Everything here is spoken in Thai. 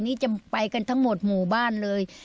นี่จะไปกันทั้งหมดหมู่บ้านเลย